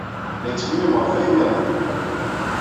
La yettxemmim ɣef wayen niḍen.